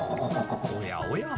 おやおや。